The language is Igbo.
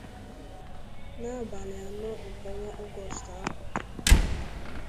n'abalị anọ nke ọnwa Ọgọstụ a.